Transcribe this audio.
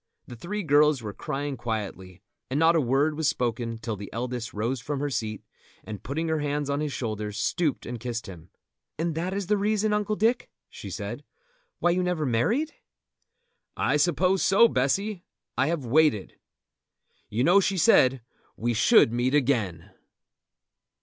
The three girls were crying quietly, and not a word was spoken till the eldest rose from her seat, and putting her hands on his shoulders, stooped and kissed him. "And that is the reason, Uncle Dick," she said, "why you never married?" "I suppose so, Bessy. I have waited. You know she said we should meet again!"